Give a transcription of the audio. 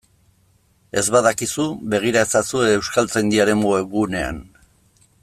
Ez badakizu, begira ezazu Euskaltzaindiaren webgunean.